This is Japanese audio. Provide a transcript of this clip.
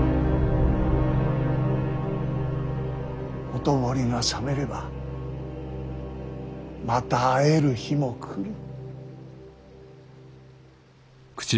ほとぼりが冷めればまた会える日も来る。